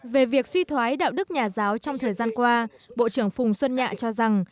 về việc suy thoái đạo đức nhà giáo trong thời gian qua bộ trưởng phùng xuân nhạ cho rằng